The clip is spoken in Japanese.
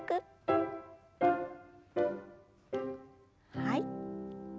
はい。